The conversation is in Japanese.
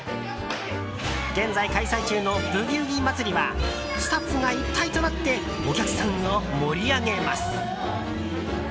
現在開催中のブギウギ祭はスタッフが一体となってお客さんを盛り上げます。